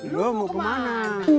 lu mau kemana